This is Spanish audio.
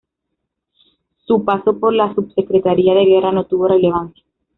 Su paso por la Subsecretaría de Guerra no tuvo relevancia.